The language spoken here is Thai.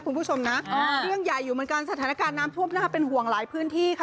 เรื่องใหญ่อยู่เหมือนกันสถานการณ์น้ำท่วมเป็นห่วงหลายพื้นที่ค่ะ